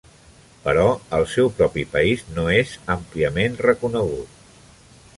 Però al seu propi país no és àmpliament reconegut.